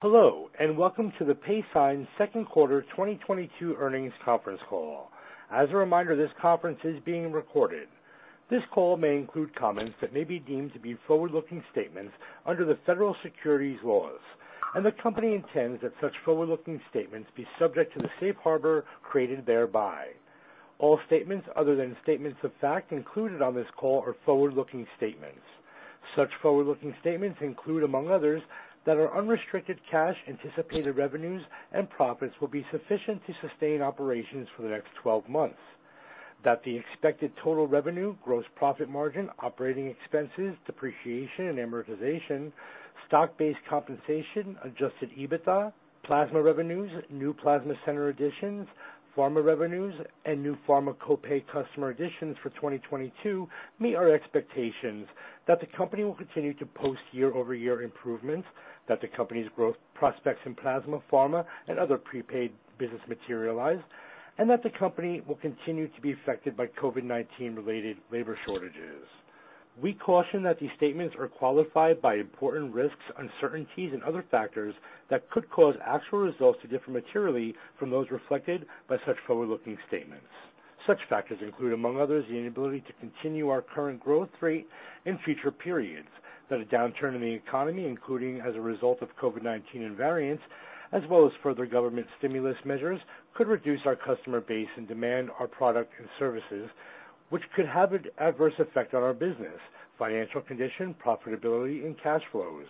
Hello, and welcome to the Paysign second quarter 2022 earnings conference call. As a reminder, this conference is being recorded. This call may include comments that may be deemed to be forward-looking statements under the federal securities laws, and the company intends that such forward-looking statements be subject to the safe harbor created thereby. All statements other than statements of fact included on this call are forward-looking statements. Such forward-looking statements include, among others, that our unrestricted cash, anticipated revenues and profits will be sufficient to sustain operations for the next 12 months. That the expected total revenue, gross profit margin, operating expenses, depreciation and amortization, stock-based compensation, adjusted EBITDA, plasma revenues, new plasma center additions, pharma revenues, and new pharma copay customer additions for 2022 meet our expectations that the company will continue to post year-over-year improvements, that the company's growth prospects in plasma, pharma and other prepaid business materialize, and that the company will continue to be affected by COVID-19 related labor shortages. We caution that these statements are qualified by important risks, uncertainties and other factors that could cause actual results to differ materially from those reflected by such forward-looking statements. Such factors include, among others, the inability to continue our current growth rate in future periods, that a downturn in the economy, including as a result of COVID-19 and variants as well as further government stimulus measures, could reduce our customer base and demand for our products and services, which could have an adverse effect on our business, financial condition, profitability and cash flows.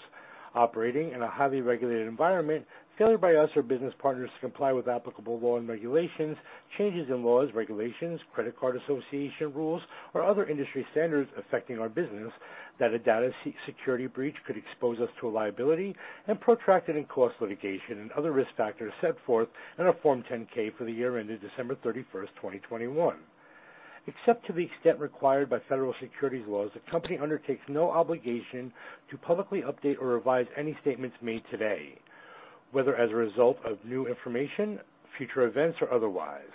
Operating in a highly regulated environment, failure by us or business partners to comply with applicable law and regulations, changes in laws, regulations, credit card association rules or other industry standards affecting our business, or that a data security breach could expose us to liability and protracted and costly litigation and other risk factors set forth in our Form 10-K for the year ended December 31st, 2021. Except to the extent required by federal securities laws, the company undertakes no obligation to publicly update or revise any statements made today, whether as a result of new information, future events or otherwise.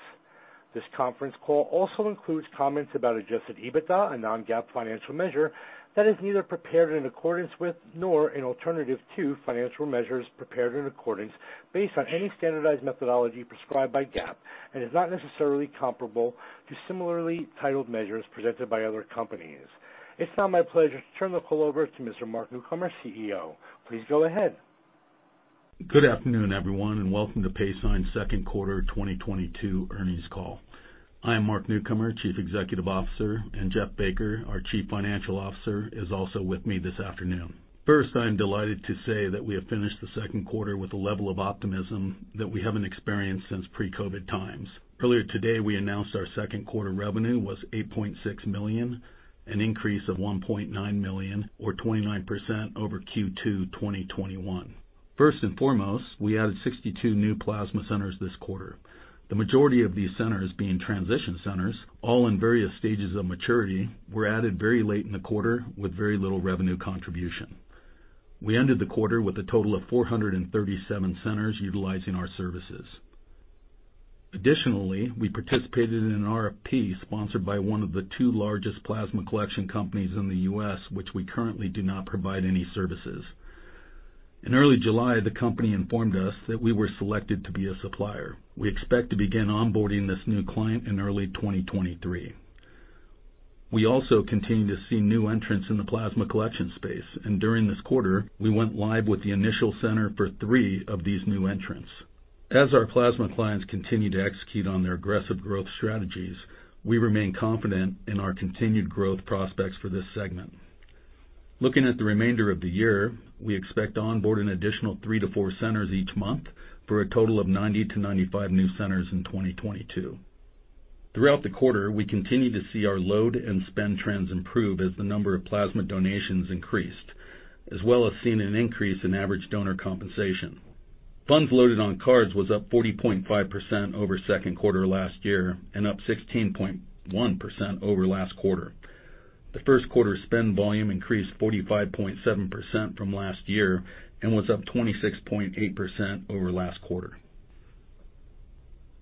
This conference call also includes comments about adjusted EBITDA, a non-GAAP financial measure that is neither prepared in accordance with nor an alternative to financial measures prepared in accordance with any standardized methodology prescribed by GAAP and is not necessarily comparable to similarly titled measures presented by other companies. It's now my pleasure to turn the call over to Mr. Mark Newcomer, CEO. Please go ahead. Good afternoon, everyone, and welcome to Paysign's second quarter 2022 earnings call. I am Mark Newcomer, Chief Executive Officer, and Jeff Baker, our Chief Financial Officer, is also with me this afternoon. First, I am delighted to say that we have finished the second quarter with a level of optimism that we haven't experienced since pre-COVID times. Earlier today, we announced our second quarter revenue was $8.6 million, an increase of $1.9 million or 29% over Q2 2021. First and foremost, we added 62 new plasma centers this quarter. The majority of these centers being transition centers, all in various stages of maturity, were added very late in the quarter with very little revenue contribution. We ended the quarter with a total of 437 centers utilizing our services. Additionally, we participated in an RFP sponsored by one of the two largest plasma collection companies in the U.S., which we currently do not provide any services. In early July, the company informed us that we were selected to be a supplier. We expect to begin onboarding this new client in early 2023. We also continue to see new entrants in the plasma collection space, and during this quarter we went live with the initial center for three of these new entrants. As our plasma clients continue to execute on their aggressive growth strategies, we remain confident in our continued growth prospects for this segment. Looking at the remainder of the year, we expect to onboard an additional three to four centers each month for a total of 90-95 new centers in 2022. Throughout the quarter, we continue to see our load and spend trends improve as the number of plasma donations increased, as well as seeing an increase in average donor compensation. Funds loaded on cards was up 40.5% over second quarter last year and up 16.1% over last quarter. The first quarter spend volume increased 45.7% from last year and was up 26.8% over last quarter.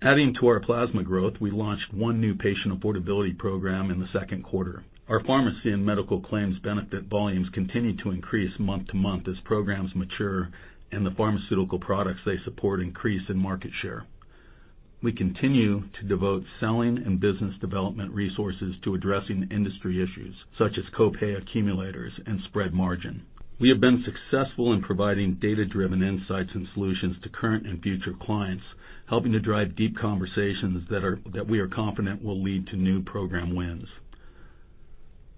Adding to our plasma growth, we launched one new patient affordability program in the second quarter. Our pharmacy and medical claims benefit volumes continue to increase month-over-month as programs mature and the pharmaceutical products they support increase in market share. We continue to devote selling and business development resources to addressing industry issues such as copay accumulators and spread pricing. We have been successful in providing data-driven insights and solutions to current and future clients, helping to drive deep conversations that we are confident will lead to new program wins.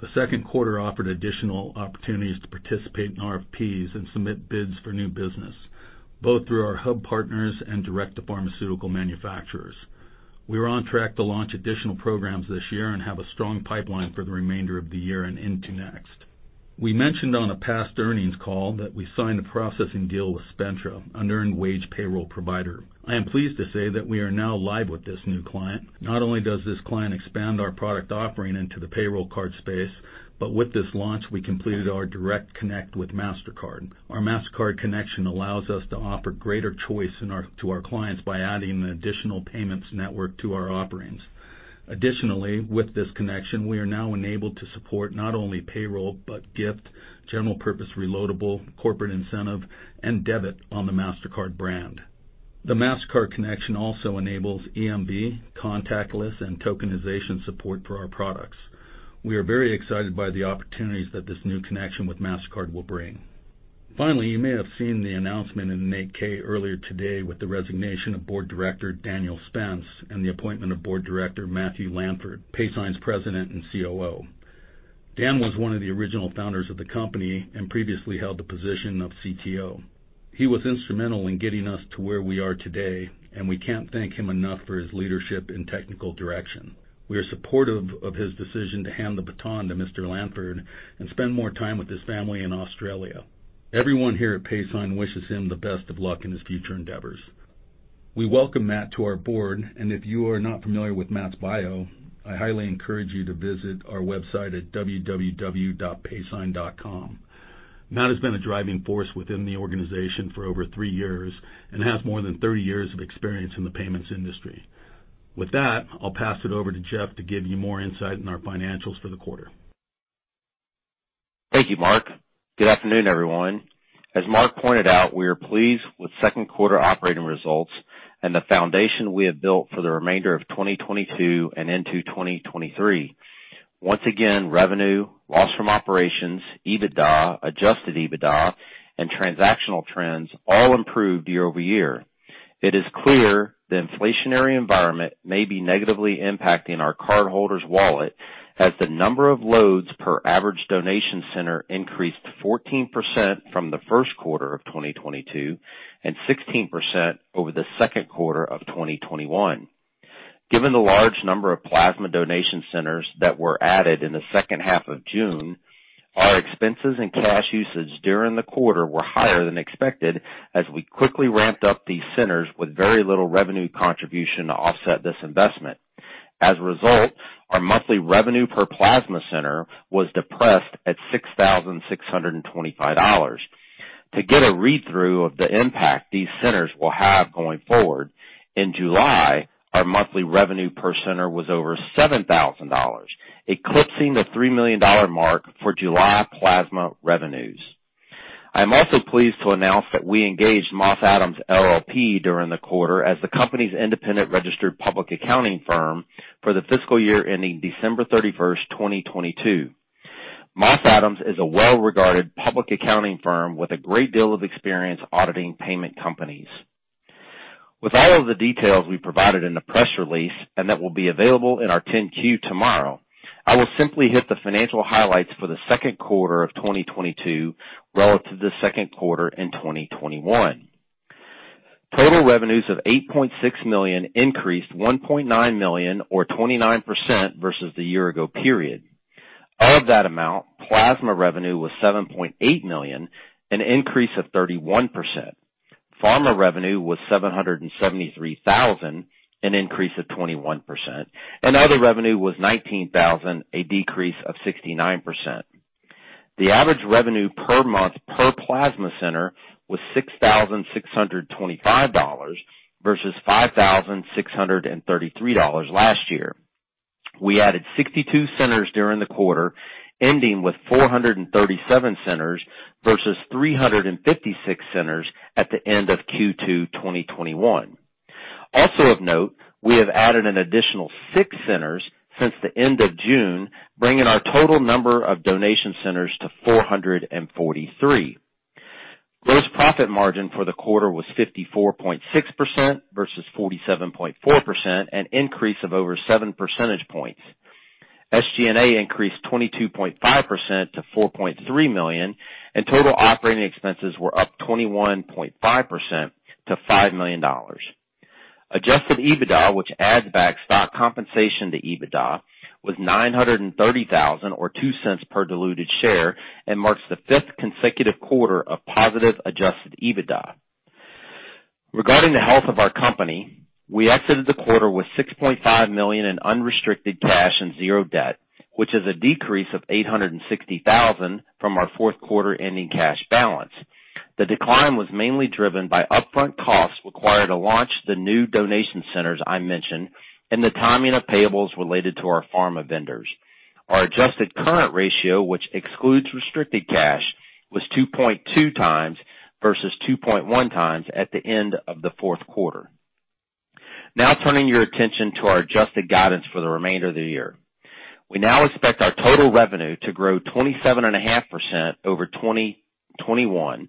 The second quarter offered additional opportunities to participate in RFPs and submit bids for new business, both through our hub partners and direct to pharmaceutical manufacturers. We are on track to launch additional programs this year and have a strong pipeline for the remainder of the year and into next. We mentioned on a past earnings call that we signed a processing deal with Spentra, an earned wage payroll provider. I am pleased to say that we are now live with this new client. Not only does this client expand our product offering into the payroll card space, but with this launch we completed our direct connect with Mastercard. Our Mastercard connection allows us to offer greater choice to our clients by adding an additional payments network to our offerings. Additionally, with this connection, we are now enabled to support not only payroll but gift, general purpose reloadable, corporate incentive, and debit on the Mastercard brand. The Mastercard connection also enables EMV, contactless, and tokenization support for our products. We are very excited by the opportunities that this new connection with Mastercard will bring. Finally, you may have seen the announcement in the 8-K earlier today with the resignation of Board Director Daniel Spence, and the appointment of Board Director Matthew Lanford, Paysign's President and COO. Dan was one of the original founders of the company and previously held the position of CTO. He was instrumental in getting us to where we are today, and we can't thank him enough for his leadership and technical direction. We are supportive of his decision to hand the baton to Mr. Lanford and spend more time with his family in Australia. Everyone here at Paysign wishes him the best of luck in his future endeavors. We welcome Matt to our board, and if you are not familiar with Matt's bio, I highly encourage you to visit our website at www.paysign.com. Matt has been a driving force within the organization for over three years and has more than 30 years of experience in the payments industry. With that, I'll pass it over to Jeff to give you more insight on our financials for the quarter. Thank you, Mark. Good afternoon, everyone. As Mark pointed out, we are pleased with second quarter operating results and the foundation we have built for the remainder of 2022 and into 2023. Once again, revenue, loss from operations, EBITDA, adjusted EBITDA, and transactional trends all improved year-over-year. It is clear the inflationary environment may be negatively impacting our cardholders' wallet as the number of loads per average donation center increased 14% from the first quarter of 2022 and 16% over the second quarter of 2021. Given the large number of plasma donation centers that were added in the second half of June, our expenses and cash usage during the quarter were higher than expected as we quickly ramped up these centers with very little revenue contribution to offset this investment. As a result, our monthly revenue per plasma center was depressed at $6,625. To get a read-through of the impact these centers will have going forward, in July, our monthly revenue per center was over $7,000, eclipsing the $3 million mark for July plasma revenues. I'm also pleased to announce that we engaged Moss Adams LLP during the quarter as the company's independent registered public accounting firm for the fiscal year ending December 31st, 2022. Moss Adams is a well-regarded public accounting firm with a great deal of experience auditing payment companies. With all of the details we provided in the press release and that will be available in our 10-Q tomorrow, I will simply hit the financial highlights for the second quarter of 2022 relative to the second quarter in 2021. Total revenues of $8.6 million increased $1.9 million or 29% versus the year ago period. Of that amount, plasma revenue was $7.8 million, an increase of 31%. Pharma revenue was $773,000, an increase of 21%, and other revenue was $19,000, a decrease of 69%. The average revenue per month per plasma center was $6,625 versus $5,633 last year. We added 62 centers during the quarter, ending with 437 centers versus 356 centers at the end of Q2 2021. Also of note, we have added an additional six centers since the end of June, bringing our total number of donation centers to 443. Gross profit margin for the quarter was 54.6% versus 47.4%, an increase of over 7 percentage points. SG&A increased 22.5% to $4.3 million, and total operating expenses were up 21.5% to $5 million. Adjusted EBITDA, which adds back stock compensation to EBITDA, was $930,000 or $0.02 per diluted share and marks the fifth consecutive quarter of positive adjusted EBITDA. Regarding the health of our company, we exited the quarter with $6.5 million in unrestricted cash and $0 debt, which is a decrease of $860,000 from our fourth quarter-ending cash balance. The decline was mainly driven by upfront costs required to launch the new donation centers I mentioned and the timing of payables related to our pharma vendors. Our adjusted current ratio, which excludes restricted cash, was 2.2x versus 2.1x at the end of the fourth quarter. Now turning your attention to our adjusted guidance for the remainder of the year. We now expect our total revenue to grow 27.5% over 2021,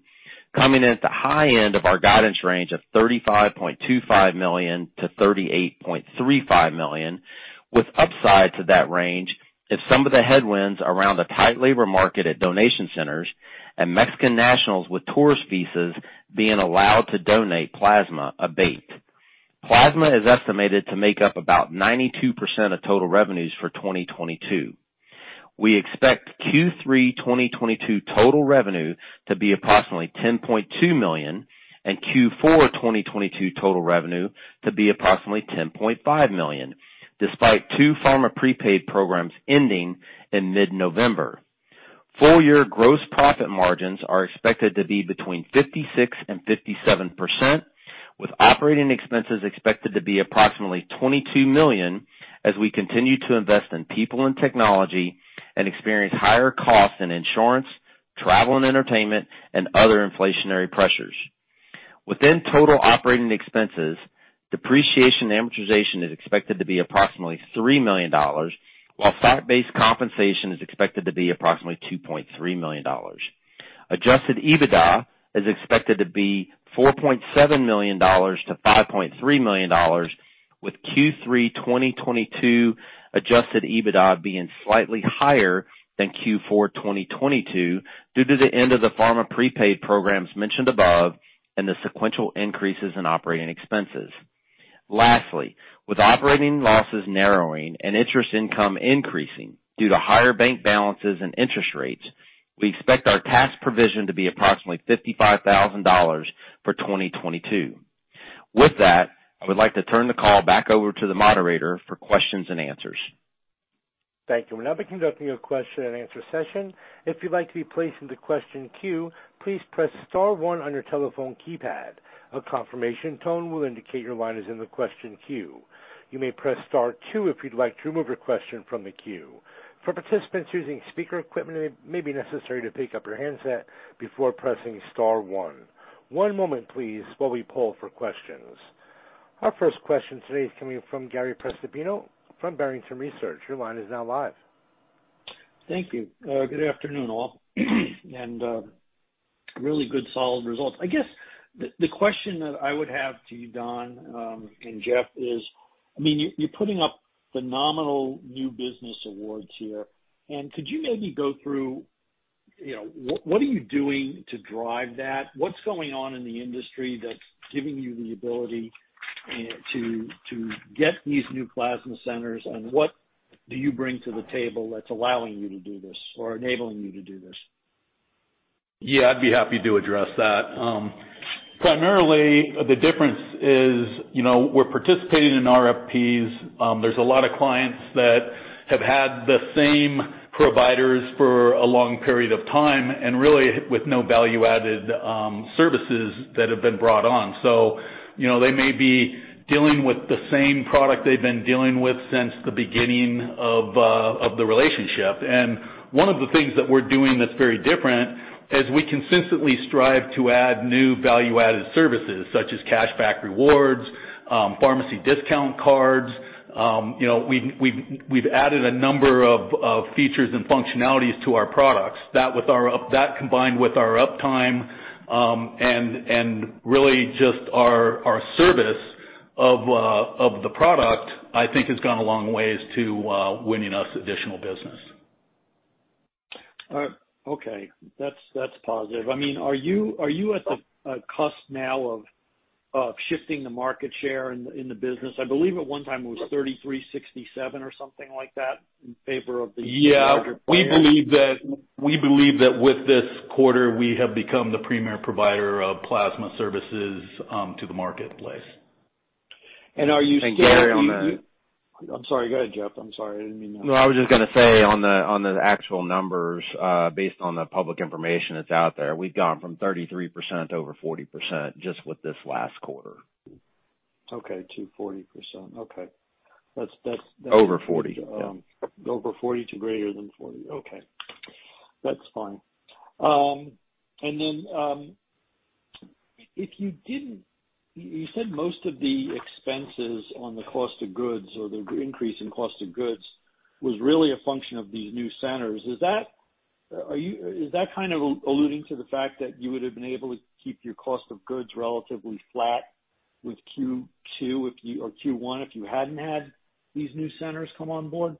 coming in at the high end of our guidance range of $35.25 million-$38.35 million, with upside to that range if some of the headwinds around the tight labor market at donation centers and Mexican nationals with tourist visas being allowed to donate plasma abate. Plasma is estimated to make up about 92% of total revenues for 2022. We expect Q3 2022 total revenue to be approximately $10.2 million and Q4 2022 total revenue to be approximately $10.5 million, despite two pharma prepaid programs ending in mid-November. Full year gross profit margins are expected to be between 56% and 57%, with operating expenses expected to be approximately $22 million as we continue to invest in people and technology and experience higher costs in insurance, travel and entertainment, and other inflationary pressures. Within total operating expenses, depreciation and amortization is expected to be approximately $3 million, while stock-based compensation is expected to be approximately $2.3 million. Adjusted EBITDA is expected to be $4.7 million-$5.3 million, with Q3 2022 adjusted EBITDA being slightly higher than Q4 2022 due to the end of the pharma prepaid programs mentioned above and the sequential increases in operating expenses. Lastly, with operating losses narrowing and interest income increasing due to higher bank balances and interest rates, we expect our tax provision to be approximately $55,000 for 2022. With that, I would like to turn the call back over to the moderator for questions and answers. Thank you. We'll now be conducting a question-and-answer session. If you'd like to be placed into question queue, please press star one on your telephone keypad. A confirmation tone will indicate your line is in the question queue. You may press star two if you'd like to remove your question from the queue. For participants using speaker equipment, it may be necessary to pick up your handset before pressing star one. One moment please, while we poll for questions. Our first question today is coming from Gary Prestopino from Barrington Research. Your line is now live. Thank you. Good afternoon, all, and really good solid results. I guess the question that I would have to you, Mark, and Jeff, is, I mean, you're putting up phenomenal new business awards here. Could you maybe go through, you know, what are you doing to drive that? What's going on in the industry that's giving you the ability to get these new plasma centers, and what do you bring to the table that's allowing you to do this or enabling you to do this? Yeah, I'd be happy to address that. Primarily the difference is, you know, we're participating in RFPs. There's a lot of clients that have had the same providers for a long period of time and really with no value-added services that have been brought on. You know, they may be dealing with the same product they've been dealing with since the beginning of the relationship. One of the things that we're doing that's very different is we consistently strive to add new value-added services such as cashback rewards, pharmacy discount cards. You know, we've added a number of features and functionalities to our products. That combined with our uptime, and really just our service of the product, I think, has gone a long ways to winning us additional business. All right. Okay. That's positive. I mean, are you at the cusp now of shifting the market share in the business? I believe at one time it was 33, 67 or something like that in favor of the- Yeah. larger players. We believe that with this quarter, we have become the premier provider of plasma services to the marketplace. Are you still? Gary, on the I'm sorry. Go ahead, Jeff. I'm sorry. I didn't mean to. No, I was just gonna say on the actual numbers, based on the public information that's out there, we've gone from 33% to over 40% just with this last quarter. Okay. To 40%. Okay. That's. Over 40%. Yeah. Over 40% to greater than 40%. Okay. That's fine. You said most of the expenses on the cost of goods or the increase in cost of goods was really a function of these new centers. Is that kind of alluding to the fact that you would have been able to keep your cost of goods relatively flat with Q2 or Q1 if you hadn't had these new centers come on board?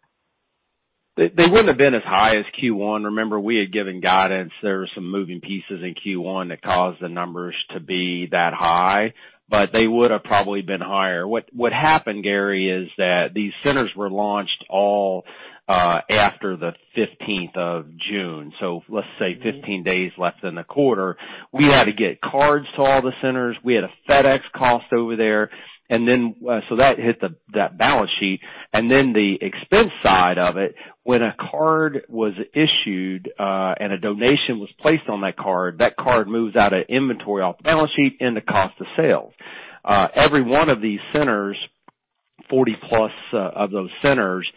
They wouldn't have been as high as Q1. Remember, we had given guidance. There were some moving pieces in Q1 that caused the numbers to be that high, but they would have probably been higher. What happened, Gary, is that these centers were launched all after the June 15th, so let's say 15 days left in the quarter. We had to get cards to all the centers. We had a FedEx cost over there. That hit the balance sheet. Then the expense side of it, when a card was issued, and a donation was placed on that card, that card moves out of inventory, off the balance sheet, and the cost of sales. Every one of these centers, 40+ of those centers,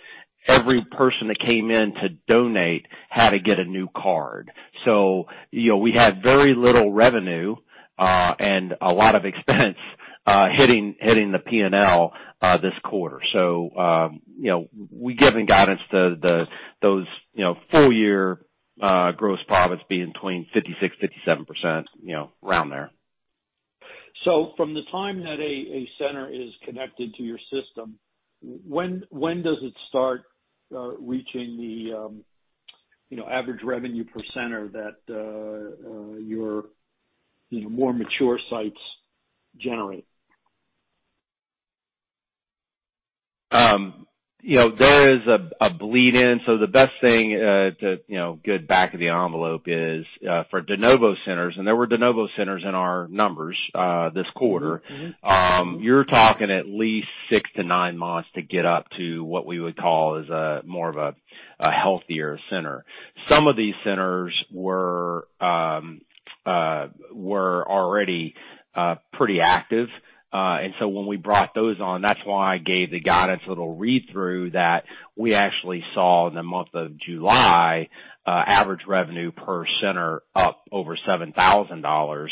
every person that came in to donate had to get a new card. You know, we had very little revenue, and a lot of expense, hitting the P&L, this quarter. you know, we've given guidance to those, you know, full year gross profits being between 56%-57%, you know, around there. From the time that a center is connected to your system, when does it start reaching the, you know, average revenue per center that your, you know, more mature sites generate? You know, there is a bleed in. The best thing to get back-of-the-envelope is for de novo centers, and there were de novo centers in our numbers this quarter. You're talking at least six to nine months to get up to what we would call a healthier center. Some of these centers were already pretty active. When we brought those on, that's why I gave the guidance little read-through that we actually saw in the month of July, average revenue per center up over $7,000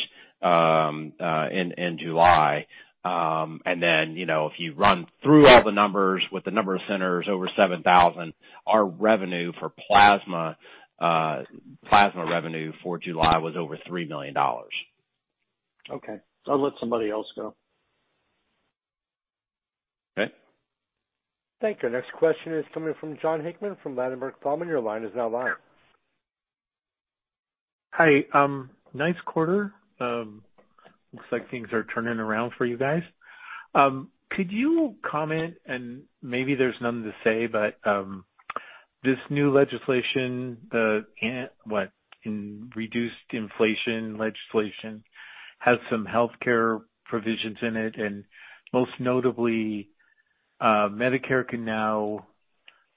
in July. You know, if you run through all the numbers with the number of centers over $7,000, our revenue for plasma revenue for July was over $3 million. Okay. I'll let somebody else go. Okay. Thank you. Next question is coming from Jon Hickman from Ladenburg Thalmann. Your line is now live. Hi, nice quarter. Looks like things are turning around for you guys. Could you comment and maybe there's nothing to say, but this new legislation, the Inflation Reduction Act, has some healthcare provisions in it, and most notably, Medicare can now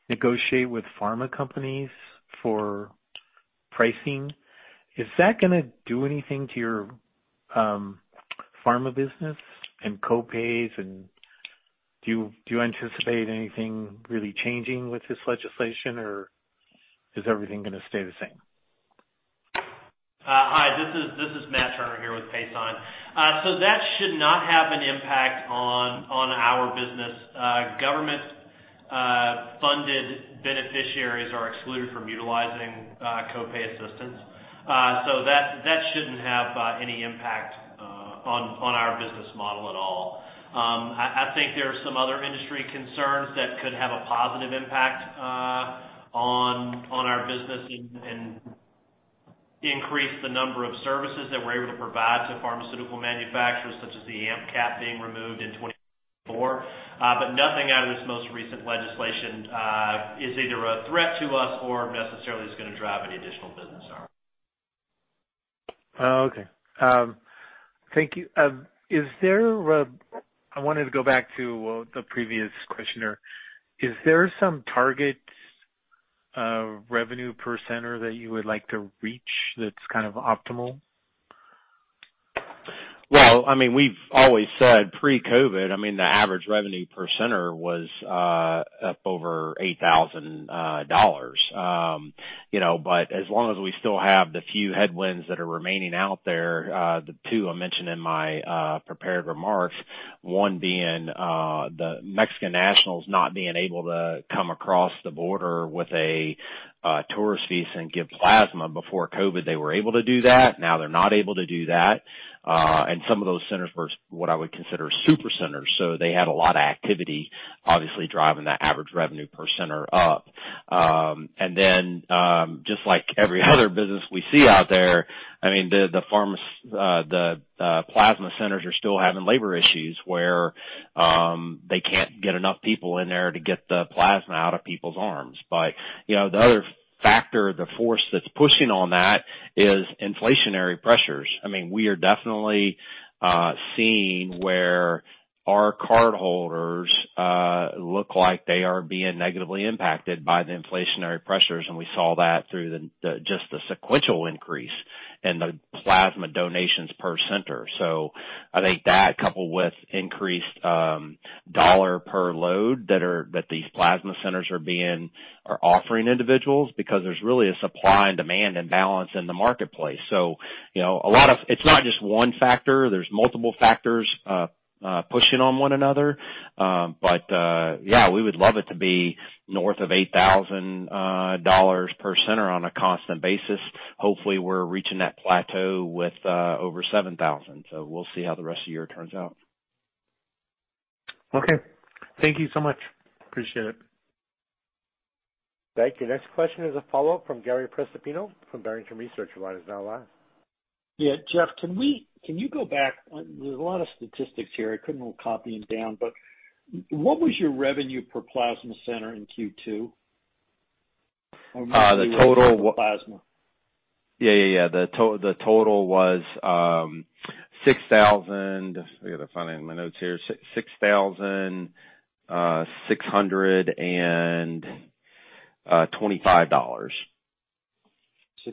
negotiate with pharma companies for pricing. Is that gonna do anything to your pharma business and copays and do you anticipate anything really changing with this legislation or is everything gonna stay the same? Hi, this is Matt Turner here with Paysign. That should not have an impact on our business. Government-funded beneficiaries are excluded from utilizing copay assistance. That shouldn't have any impact on our business model at all. I think there are some other industry concerns that could have a positive impact on our business and increase the number of services that we're able to provide to pharmaceutical manufacturers, such as the AMP cap being removed in 2024. Nothing out of this most recent legislation is either a threat to us or necessarily is gonna drive any additional business. Oh, okay. Thank you. I wanted to go back to the previous questioner. Is there some target of revenue per center that you would like to reach that's kind of optimal? Well, I mean, we've always said pre-COVID, I mean, the average revenue per center was up over $8,000. You know, as long as we still have the few headwinds that are remaining out there, the two I mentioned in my prepared remarks, one being the Mexican nationals not being able to come across the border with a tourist visa and give plasma. Before COVID, they were able to do that. Now they're not able to do that. Some of those centers were what I would consider super centers, so they had a lot of activity obviously driving that average revenue per center up. Just like every other business we see out there, I mean, the plasma centers are still having labor issues where they can't get enough people in there to get the plasma out of people's arms. You know, the other factor, the force that's pushing on that is inflationary pressures. I mean, we are definitely seeing where our cardholders look like they are being negatively impacted by the inflationary pressures, and we saw that through just the sequential increase in the plasma donations per center. I think that coupled with increased dollar per load that these plasma centers are being or offering individuals because there's really a supply and demand imbalance in the marketplace. You know, it's not just one factor. There's multiple factors pushing on one another. Yeah, we would love it to be north of $8,000 per center on a constant basis. Hopefully, we're reaching that plateau with over $7,000. We'll see how the rest of the year turns out. Okay. Thank you so much. Appreciate it. Thank you. Next question is a follow-up from Gary Prestopino from Barrington Research. Your line is now live. Yeah. Jeff, can you go back? There's a lot of statistics here. I couldn't copy them down, but what was your revenue per plasma center in Q2? Uh, the total- Mostly plasma. Yeah. The total was $6,000. I gotta find it in my notes here. $6,625. 6000-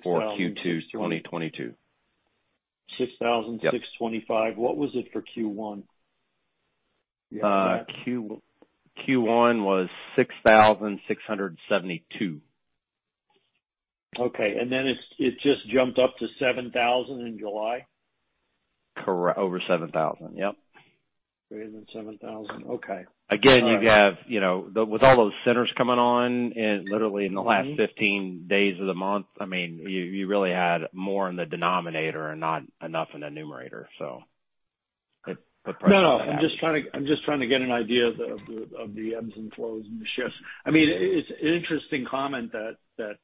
For Q2 2022. $6,625. What was it for Q1? Q1 was $6,672. Okay. It just jumped up to $7,000 in July? Correct. Over $7,000. Yep. Greater than $7000. Okay. Again, you have, you know, with all those centers coming on in literally the last 15 days of the month, I mean, you really had more in the denominator and not enough in the numerator, so. No, no, I'm just trying to get an idea of the ebbs and flows and the shifts. I mean, it's an interesting comment that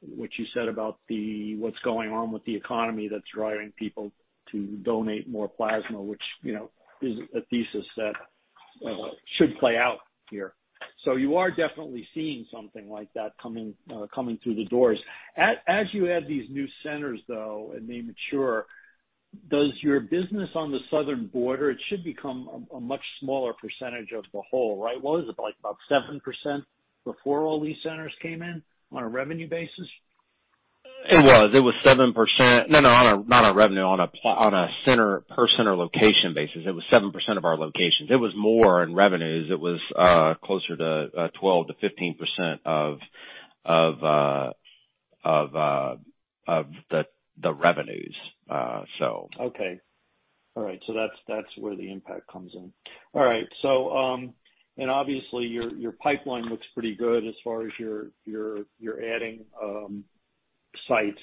what you said about what's going on with the economy that's driving people to donate more plasma, which, you know, is a thesis that should play out here. So you are definitely seeing something like that coming through the doors. As you add these new centers, though, and they mature, does your business on the southern border, it should become a much smaller percentage of the whole, right? What is it like about 7% before all these centers came in on a revenue basis? It was 7%. No, not on a revenue, on a center per center location basis, it was 7% of our locations. It was more in revenues. It was closer to 12%-15% of the revenues. So. Okay. All right. That's where the impact comes in. All right. And obviously your pipeline looks pretty good as far as you're adding sites.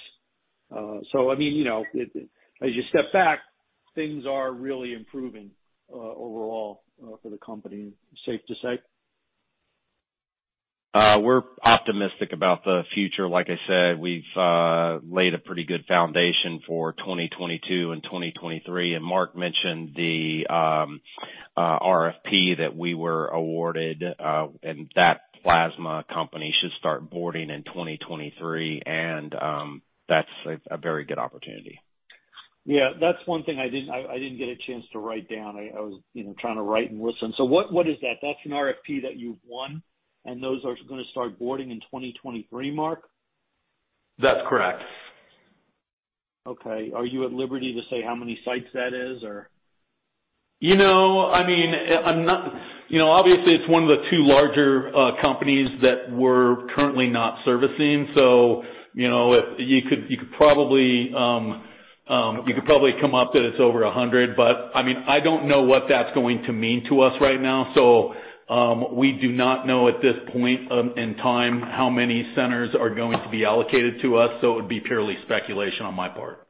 I mean, you know, as you step back, things are really improving overall for the company, safe to say? We're optimistic about the future. Like I said, we've laid a pretty good foundation for 2022 and 2023. Mark mentioned the RFP that we were awarded, and that plasma company should start onboarding in 2023. That's a very good opportunity. Yeah. That's one thing I didn't get a chance to write down. I was, you know, trying to write and listen. What is that? That's an RFP that you've won and those are gonna start onboarding in 2023, Mark? That's correct. Okay. Are you at liberty to say how many sites that is or? You know, I mean, you know, obviously it's one of the two larger companies that we're currently not servicing. You know, you could probably come up that it's over 100. I mean, I don't know what that's going to mean to us right now. We do not know at this point in time how many centers are going to be allocated to us. It would be purely speculation on my part.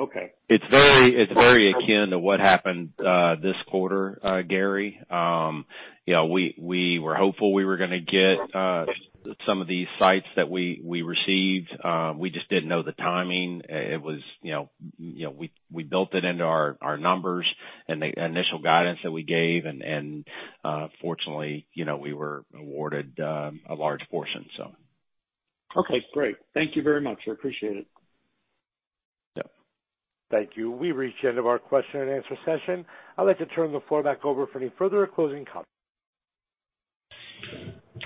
Okay. It's very akin to what happened this quarter, Gary. You know, we were hopeful we were gonna get some of these sites that we received. We just didn't know the timing. It was, you know, we built it into our numbers and the initial guidance that we gave and, fortunately, you know, we were awarded a large portion, so. Okay, great. Thank you very much. I appreciate it. Yep. Thank you. We've reached the end of our question-and-answer session. I'd like to turn the floor back over for any further closing comments.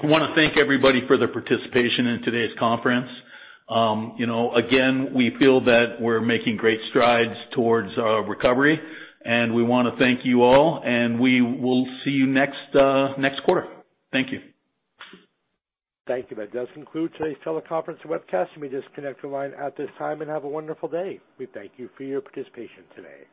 I wanna thank everybody for their participation in today's conference. You know, again, we feel that we're making great strides towards our recovery, and we wanna thank you all, and we will see you next quarter. Thank you. Thank you. That does conclude today's teleconference webcast. You may disconnect your line at this time and have a wonderful day. We thank you for your participation today.